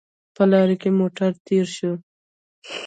په لاره کې موټر تېر شو